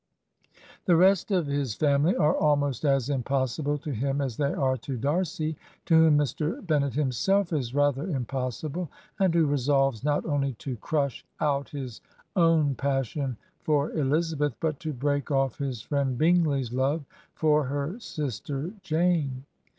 The rest of his iFdSiily are almost as impossTBIe to him as they are to Darcy, to whom Mr. Bennet him self is rather impossible, and who resolves not only to crush out his own passion for Elizabeth, but to break off his friend Bingley's love for her sister Jane.